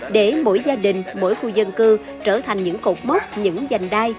để mỗi gia đình mỗi khu dân cư trở thành những cột mốc những giành đai